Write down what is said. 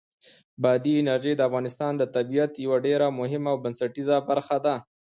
بادي انرژي د افغانستان د طبیعت یوه ډېره مهمه او بنسټیزه برخه ده.